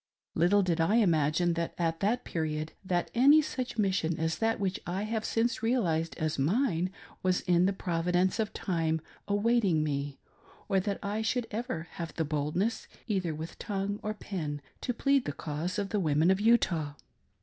Little did I imagine at that period, that any such mission as that which I have since realised as mine, was in the Provi dence of Time awaiting me, or that I should ever have the boldness, either with tongue or pen, to plead the cause of the Women of Utah.